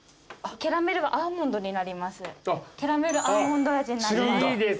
キャラメルアーモンド味になります。